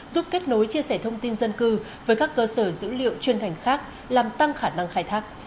giúp kết nối chia sẻ thông tin dân cư với các cơ sở dữ liệu chuyên ngành khác làm tăng khả năng khai thác